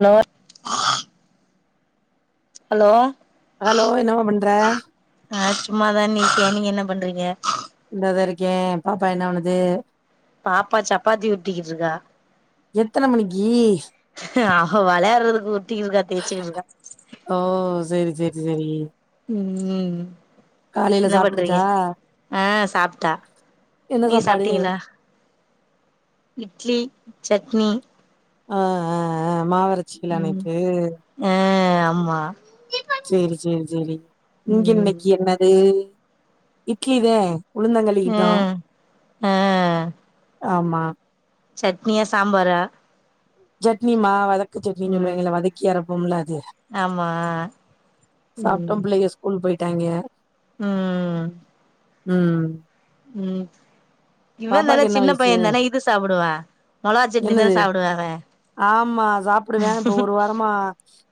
Hello hello hello என்னமா பண்ற ஆ சும்மாதா நிக்குறே நீங்க என்ன பண்றீங்க? இந்தாதா இருக்கே பாப்பா என்ன பண்ணுது? பாப்பா சப்பாத்தி உருட்டிக்கிட்ருக்கா. எத்தன மணிக்கி? அவ வெளையாடுறதுக்கு உருட்டிக்கிட்ருக்கா தேச்சுக்கிட்ருக்கா. செரி ம் என்ன பண்றீங்க? சாப்ட்ருச்சா ஆ சாப்ட்டா. என்ன நீங்க சாப்பாடு சாப்ட்டீங்களா? இட்லி சட்னி ஆ ஆ ஆ மாவு ம் ஆ ஆமா. செரி செரி செரி இங்க ம் இன்னைக்கி என்னது இட்லிதே. உளுந்தங்களிதா ம் ஆ ஆமா. சட்னியா சாம்பாரா? சட்னி மா வத க்கு சட்னினு ம் சொல்வாய்ங்கல்ல வதக்கி அரப் போம்ல இது ஆமா ம் சாப்ட்டும் பிள்ளைக ஸ்கூல் போய் ட்டாங்க. ம் ம் ம் இவன்தான பாப்பாக்கு என்ன சின்னப் வயசு பையன்தான இது சாப்புடுவா? என்னது ஆமா சாப்புடுவே இப்ப ஒரு வாரமா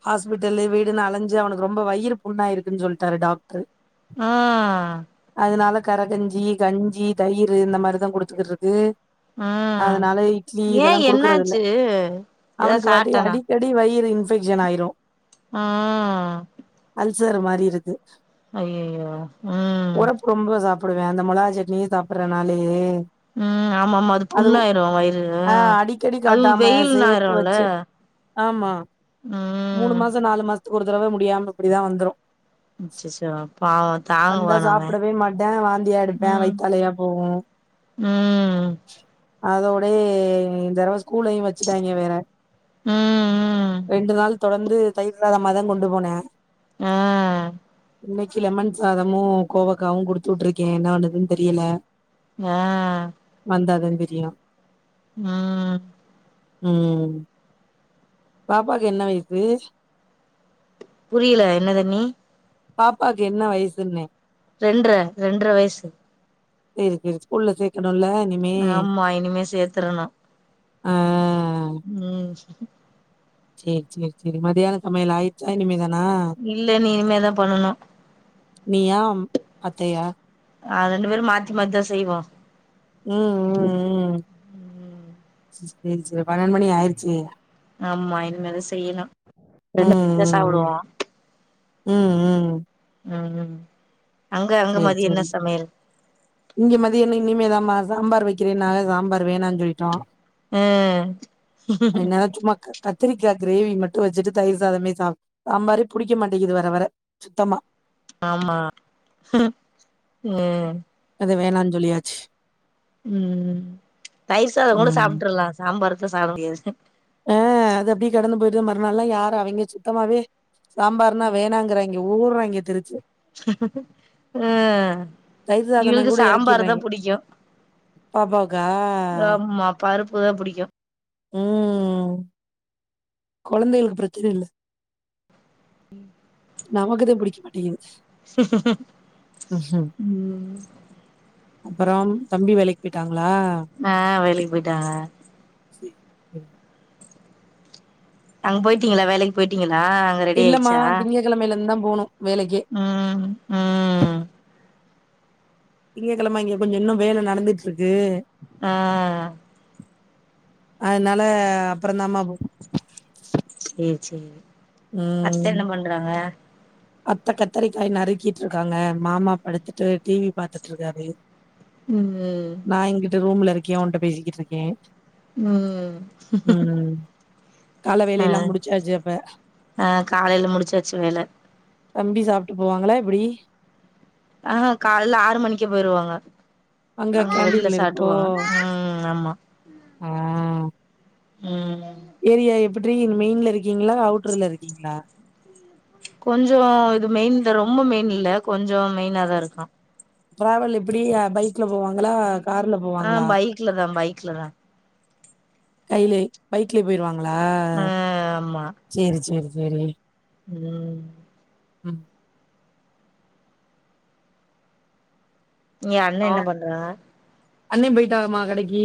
ஹாஸ்பிட்டல்லு வீடுன்னு அலைஞ்சு அவனுக்கு ரொம்ப வயிறு புண்ணு ஆயிருக்குன்னு சொல்ட்டாரு டாக்டரு. ஆ அதனால கரகஞ்சி கஞ்சி தயிரு இந்த மாரிதா குடுத்துக்கிட்ருக்கு ம் அதனால இட்லி இதெல்லா ஏன் குடுக்கறதில்ல என்னாச்சு எதா அவனுக்கு வடி சாப்ட்டானா? அடிக்கடி வயிறு இன்பெக்ஷன் ஆயிரு. ஆ அல்சர் மாரி இருக்கு. ஐயயோ ம் டுவே அந்த மொளகா சட்னியே சாப்படறனாலயே ம் ஆமா ஆமா அது புண்ணாயிரு வயி ஆ அடிக்கடி காட்டாம சேத்து நேரம்ல வச்சு ஆமா மூணு ம் மாசோ நாலு மாச த்துக்கு ஒரு தடவ முடியாம இப்பிடிதா வந்துரு. அச்சச்சோ பாவோ வந்தா தாங்குவானா அவ? சாப்பிடவே மாட்டே வாந்தியா எடுப்பே ம் வயித்தாலையா போகு ம் அதோட இந்த தடவ ஸ்கூலயு வச்சுட்டாங்க வேற ம் ம் ரெண்டு நாள் தொடர்ந்து தயிர் இல்லாத மாரிதா கொண்டு போனா. ஆ இன்னக்கி லெமன் சாதமு கோவக்காவு குடுத்து உட்ருக்கே என்ன பண்ணுதுன்னு தெரியல. ஆ வந்தாதா தெரியு. ம் ம் பாப்பாக்கு என்ன வய சு? புரியல என்னது அண்ணி? பாப்பாக்கு என்ன வயசுன்னே. ரெண்ட்ர ரெண்ட்ர வயசு. சேரி சேரி ஸ்கூல்ல சேக்க ஆமா இனிமே சேத்தரணு. ஆ ம் சேரி சேரி சேரி மத்தியான சமையல் ஆயிருச்சா இனிமேதா இல்ல அண்ணி இனிமேதா பண்ணணு. நீயாம் அத்தையா? ஆ ரெண்டு பேரு மாத்தி மாத்திதா செய்வோ. ம் ம் ம் சேரி சேரி பன்னெண்டு மணி ஆயிருச்சு இல்லயா? ஆமா இனிமேதா செய்யணு. ரெண்டு [inaudible] ம் ம் சாப்புடுவோ. ம் ம் ம் ம் ம் சேரி சேரி இங்க மதியொ இன்னு இனிமே தா மா சாம்பார் வைக்கிறேன்னாக சாம்பார் வேணான் சொல்லிட்டோ ம் த்திரிக்கா கிரேவி மட்டு வச்சிட்டு தயிர் சாதமே சாப் சாம்பாரே புடிக்க மாட்டேங்கிது வர வர சுத்தமா ஆமா ஹும் ம் வேனாஞ் சொல்லியாச்சு ம் தயிர் சாதோங்கூட ம் சாப்ட்ரலா சாம்பாரு சோ சாப்ட முடியாது ஹ்ம் ஆ அது அப்படியே கடந்து போயிடுது மறுநாள்ல்லா யார் அவைங்க சுத்தமாவே சாம்பார்னா வேணாங்கறாங் க ஊர்ராங்கே தெருச்சி ஆ தயிர் சாதன இவக கூட சாம்பார் தா எறக்கிறாய்ங்க புடிக்கு பாப்பாவுக்கா ஆம்மா பருப் பு தா புடிக்கு ம் கொழந்தைகளுக்கு பிரச்சன இல்ல ம் நமக்கு தே பிடிக்க மாட்டேங்குது ம் அப்புறம் தம்பி வேலைக்கு போயிட்டாங் ஆ வேலைக்கு போயிட்டாங்க சி ம் அங்க போயிட்டீங்களா வேலைக்கு போயிட்டீங் இல்லமா திங்க கெளமைல இருந்தா போணு ம் ம் திங்க கெளம இங்க கொஞ்சொ இன்னு வேல நடந்துட்ருக் ஆ அதனால அப்புறந்தாம்மா போ ம் சேரி அத்த ம் என்ன பண்றாங்க அத்த கத்தரிக்காய் நறுக்கிட்டுருக்காங்க மாமா படுத்துட்டு டிவி பாத்துட்டு இருக்காரு ம் நா இங்குட்டு ரூம்ல இருக் கிய உன்ட்ட பேசிக்கிட்டுருக்கே ம் கால ஆ வேலையெல்லாம் முடிச்சாச்சு அப்ப ஆ காலைல முடிச்சாச்சு வேல தம்பி சாப்ட்டு போவாங்களா எப்டி ஆஹா காலைல ஆறு மணிக்கே போயிருவாங்க அங்க வெளில கேன்டீன்ல இருக்கோ சாப்ட்டுக்குவாங்க ம் ஆமா ஆ ம் ஏரியா எப்பிட்ரீ மெயின்ல இருக்கீங்களா அவுட்டர்ல இருக்கீங்களா? கொஞ்சோ இது மெயின்தா ரொம்ப மெயின் இல்ல கொஞ்சோ மெயினாதா இருக்கு. ட்ராவல் எப்டி ஆ பைக்ல போவாங்களா கார்ல ஆ போவாங்களா பைக்லதா பைக் லதா. கைலே பைக்லயே போயிருவாங் களா ஆ ஆமா சேரி சேரி. செரி ம் ம் ஏ அண்ண ஆ என்ன பண்றாங்க? அண்ணே போய்ட்டாங்கம்மா கடக்கி.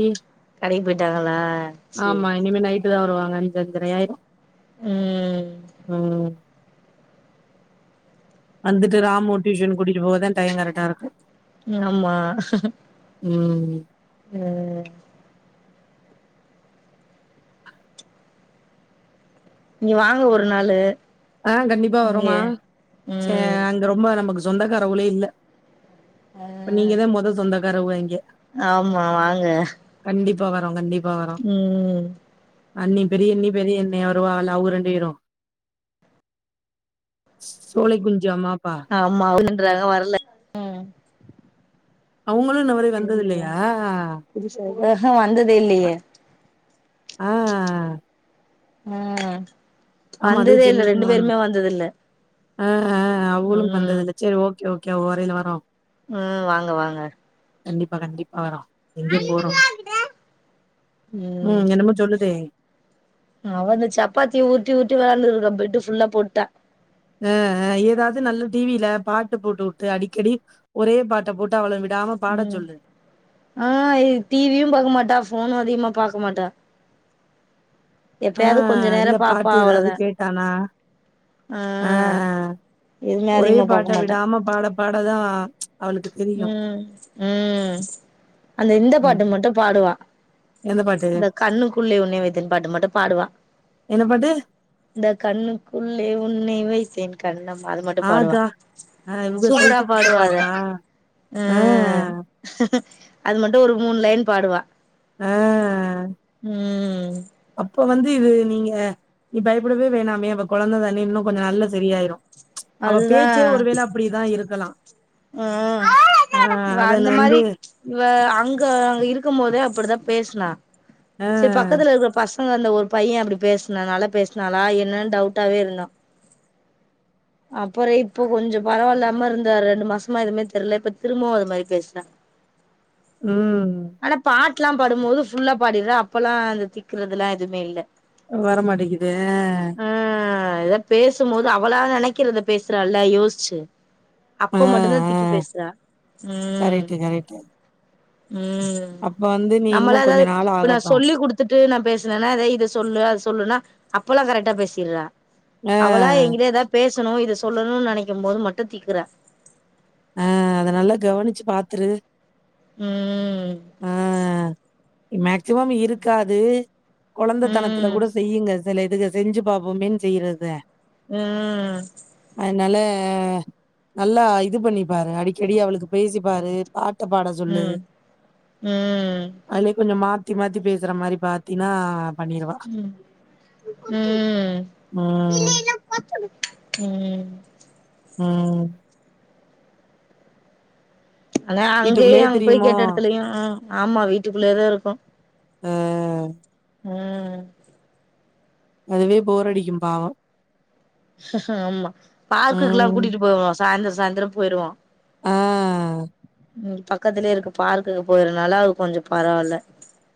கடைக்கி போயிட்டாகளா சேரி சேரி. ங்க அஞ்சு அஞ்சர ஆயிரு. ம் வந்துட்டு ராமுவ டியூஷன் கூட்டிட்டு போகதா டைம் கரெக்டா இருக்கு. ம் ஆமா. ம் ம் நீங்க வாங்க ஒரு நாளு ஆ கண்டிப்பா இங்க வரோம்மா ச்சே ம் அங்க ரொம்ப நமக்கு சொந்தக்காரவுகளே இல்ல. இப்ப ஆ நீங்கதா மொத சொந்த க்காரவுக அங்க. ஆமா வாங்க. பா வரோ கண்டிப் ம் அண்ணி பெரிய அண்ணி பெரிய அண்ணே வருவாகல்ல அவுக ரெண்டு பேரு சோலை குஞ்சம்மா ஆமா [inaudible] ன்றாங்க வரல ம் அவங்களு இன்ன வரைக்கு வந்தது இல்லயா? ம்ஹூம் வந்ததே இல்லயே. ஆ ம் ஆமா அது வந்ததே இல்ல ரெண்டு சின்ன ஒன்னு பேருமே வந்தது இல்ல. ஆ ஆ அவளு வந்ததில்ல செரி ஓகே ஓகே. ஓகே வரோ எல்லாரு. ம் வாங்க வாங்க. கண்டிப்பா கண்டிப்பா வரோ. எங்க ம் போறோ ம் என்னமோ சொல்லுதே? அவ அந்த சப்பாத்திய உருட்டி உருட்டி வெளையாண்டுட்டு இருக்கா பெட்டு ஃபுல்லா போட்டா. ஆ ஆ ஏதாவது நல்ல டி வி ல பாட்ட போட்டு விட்டு அடிக்கடி ஒரே பாட்ட போட்டு அவள வி ம் ஆ இது டி வி யு பாக்க மாட்டா ஃபோனு அதிகமா பாக்க மாட்டா. ஆ எப்பயாவது கொஞ்ச நேரோ இல்ல பாப்பா பாட்டு ஏதாவது அவ்ளோதா கேட்டானா ஆ எதுவுமே ஒரே அதிகமா பாட்ட பாக்க மாட்டா விடாம பாட பாடதா அவளுக்கு தெரியு ம் ம் அந்த இந்த ம் பாட்டு மட்டு பாடுவா. எந்த பாட்டு இந்த கண்ணுக்குள்ளே உன்னை வைத்தேன்னு பாட்டு மட்டு பாடுவா. என்ன பாட்டு இந்த கண்ணுக்குள்ளே உன்னை வை த்தேன் கண்ணம் மா அது மட்டு பாடுவா. ஆகா ஆ இவுக சூப்பரா சைஸுக்கு இந்த பாடுவா அத. பாட்டா ஆ அது மட்டு ஒரு மூணு லைன் பாடுவா. ஆ ம் ப வந்து இது நீங்க நீ பயப்படவே வேணாமே அவ கொழந்ததானே இன்னு கொஞ்ச நாள்ல சரியாயிரு. அவ அதுதா பேச்சே ஒருவேள அப்பிடிதா இருக்கலா. ம் ஆ இவ அதன் அந்த வந்து மாரி இவ ஆ அங்க அங்க இருக்கும் போதே அப்படிதா பேசுனா. ஆ சரி பக்கத்துல இருக்கற பச ங்க அந்த ஒரு பைய அப்படி பேசுனனால பேசுனாளா என்னன்னு டவுட்டாவே இருந்தோ. அப்புற இப்போ கொஞ்சோ பரவால்லா அம்மா இருந்த ரெண்டு மாசமா எதுமே தெர்ல. இப்ப திரும்பவு அது மாரி பேசுறா. ம் ட்லாம் பாடும்போது ஃபுல்லா பாடிர்றா அப்பல்லா அந்த திக்குறதல்லா எதுவுமே இல்ல. வரமாட்டிங்குது ஆ எதா பேசும்போது அவளா நெனைக் கிறத பேசுறால்ல யோசிச்சு ஆ அப்ப மட்டு்ந்தா ஆ திக்கி பேசுறா ம் கரெக்ட்டு கரெக்ட்டு ம் அப்ப வந்து நீ இன்னு நம்மளா கொஞ்ச எதாவது நாள் இப்ப நா ஆகட்டு சொல்லி குடுத்துட்டு நா பேசுனேன்னா அதா இத சொல்லு அத சொல்லுன்னா அப்பெல்லா கரெக்டா பேசிட்றா. ஆ அவளா எங்கிட்ட ஏதாது பேசணு இத சொல்லணுன்னு நெனைக்கும் போது மட்டு தீக்குற ஆ அத நல்லா கவனிச்சு பாத்துரு ம் ஆ மேக்சிமம் இருக்காது கொளந்த தனத்துல ம் கூட செய்யுங்க சில இதுக செஞ்சு பாப்போமேன்னு செய்யறது தா ம் அதுனால நல்லா ஆய் இதுப் பண்ணிப்பாரு அடிக்கடி அவளுக்கு பேசிப்பாரு பாட்ட பாட சொல்லு ம் ம் அதுலே கொஞ்சொ மாத் த்தி மாத்தி பேசுற மாரி பாத்தீன்னா பண்ணிருவா ம் ம் ம் ம் ம் ஆனா அங்கயே வீட்டுக்குள்ளயே அங்க போய் திரியுமோ கேட்ட எடத்துலயு ஆமா வீட்டுக்குள்ளேதா இருக்கும் ம் ம் அதுவே போரடிக்கு பாவோ ஆமா பார்குக்குல்லா ம். கூட்டிட்டு போவோ சாய்ந்தரொ சாய்ந்தரொ போய்டுவோ ஆ ம் பக்கத்துலே இருக்கு பார்க்குக்கு போய்றனால அவளுக் கொஞ்சொ பரவால்ல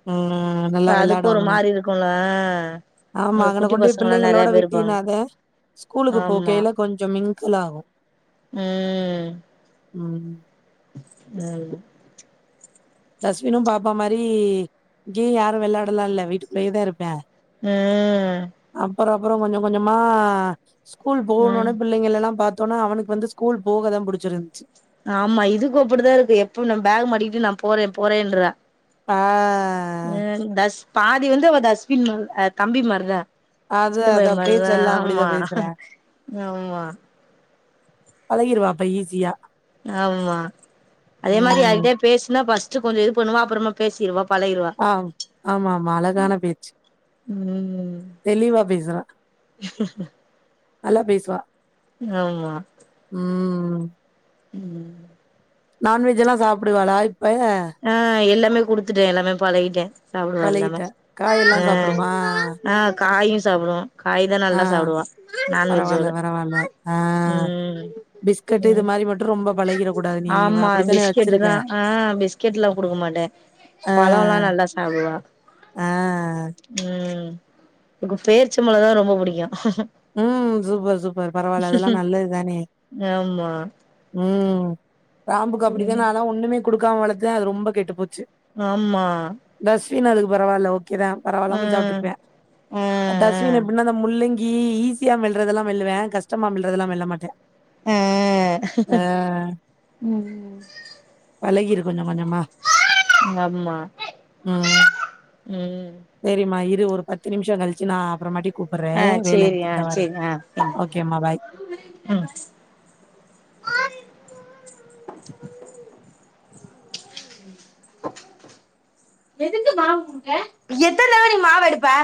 ம். நல்லா ல அதுக்கு ஒரு வெளாடுவாங்களா? மாரி இருக்குல்ல ஆ ஆமா அங்கன கொண்டுபோய் பிள்ளைங்களோட விட்டினா த ஸ்கூலுக்கு ஆமா போகைல கொஞ்சம் மிங்குல் ஆகும் ம் அ டஸ்பினு பாப்பா மாரி இங்கேயு யாரும் வெள்ளாடலா இல்ல வீட்டுக்குள்ளயேத இருப்பே ம் அப்றொ கொஞ்சொ கொஞ்சமா ஸ்கூல் போகணுன்னு ம் பிள்ளங்களல்லா பாத் த்தோன அவனுக்கு வந்து ஸ்கூல் போக தா புடிச்சிருந்துச்சு ஆமா இதுக்கு அப்படித்தா இருக்கு எப்ப நா பேக மாட்டிக்கிட்டு நா போறே போறேன்றா ஆ ம் தஸ் பாதி வந்து அவ தஸ்பின் அ தம்பி மாரிதா சின்ன அதான் அதான் பயமாரிதா பேச்செல்லாம் ஆமா அப்படிதான் பேசுறேன். ஆம்மா பழகிருவான் அப்ப ஈஸியா ஆம்மா அதே மாரி யார் ம். கிட்டயாவது பேசுனா ஃபஸ் ட்டு கொஞ்சொ இது பண்ணுவா அப்புறமா பேசிருவாப் ஆ ஆமா ஆமா அலகான பேச்சு ம் தெளிவா பேசுறா நல்லா பேசுவா ஆமா ம் ம் நான்வெஜ் எல்லா சாப்டுவாளா இப் ஆ இல்ல இல்ல குடுத்துட்டே எல்லாமே பலகிட்டே சாப்டுவா எல்லாமே பழகிட்ட காயெல்லா ம் சாப்டுமா ஆ காயு ஸ் சாப்புடு ஆ பரவால்ல பரவால்ல ஆ ம் பிஸ்கெட்டு இது ம் மாரி மட்டு ரொம்ப பலகிட கூடாது நீ அப்படித்தான வச்சிருக்க கெட்லா குடுக்க மாட்டே ஆ பலொல்லா நல்லா சாப்டுவா ஆ ம் ம் உங்க பேரிச்சப்பலொந்தா ரொம்ப புடிக்கு ம் சூப்பர் சூப்பர் பரவால்ல அதெல்லா நல்லதுதானே ஆமா ம் ம் பாம்புக்கு ம் அப்டிதான அதெல்லா ஒண்ணுமே குடுக்காம வளத்து த அது ரொம்ப கெட்டு போச் ஆம்மா தீன் அதுக்கு பரவால்ல ஒக் கிறா பரவால்லாம சாப்ட்டுப்பியா ஆ தஸ்வின் ஆ எப்டின்னா இந்த முள்ளங்கி ம் ஈஸியா மெல்றதெல்லா மெல்லுவா கஸ்டமா மெல்றதெல்லா மெல்ல மாட்டே ஆ ஆ ம் ம் பலகிரு கொஞ்சோ ஆம்மா ம். ம் சரிம்மா ஒரு பத்து நிமிஷோ களிச்சு நா அப்ற மாட்டிக் கூப்பற்றே வேல இருக் ஆ செரி ஆ ஆ ம் [unintelligible] எதுக்கு மாவுங்க எத்தனதடவ நீ மாவு எடுப்ப